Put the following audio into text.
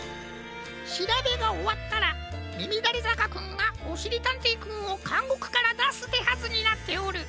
しらべがおわったらみみだれざかくんがおしりたんていくんをかんごくからだすてはずになっておる。